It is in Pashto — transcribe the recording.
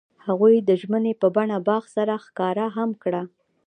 هغوی د ژمنې په بڼه باغ سره ښکاره هم کړه.